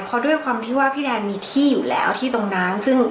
เพราะด้วยความที่ว่าพี่แดนมีที่อยู่แล้วที่ตรงนั้นซึ่ง